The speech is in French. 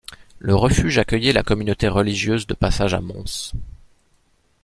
Le refuge accueillait la communauté religieuse de passage à Mons.